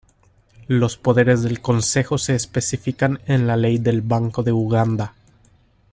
Los poderes del Consejo se especifican en la ley del Banco de Uganda.